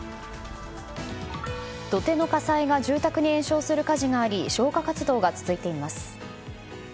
土手の火災が住宅に延焼する火事があり消火活動が続いています。